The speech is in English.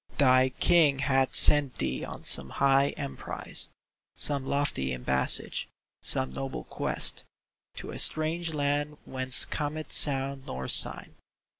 Thy King hath sent thee on some high emprise. Some lofty embassage, some noble quest, To a strange land whence cometh sound nor sign.